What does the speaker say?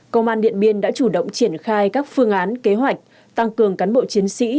công an điện biên đã chủ động triển khai các phương án kế hoạch tăng cường cán bộ chiến sĩ